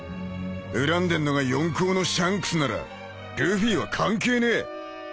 ［恨んでんのが四皇のシャンクスならルフィは関係ねえ］